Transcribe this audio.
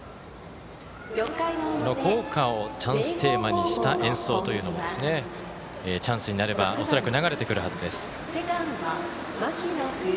校歌をチャンステーマにした演奏というのがチャンスになれば恐らく流れてくるはずです。